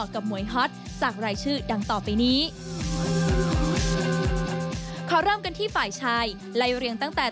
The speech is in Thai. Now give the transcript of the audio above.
ขอเริ่มกันที่ฝ่ายชายไล่เรียงตั้งแต่